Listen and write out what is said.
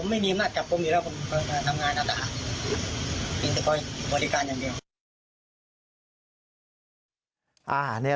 มีแต่ก่อนบริการอย่างเดียว